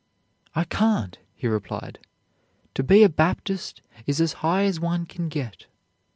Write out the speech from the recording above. "I can't," he replied. "To be a Baptist is as high as one can get."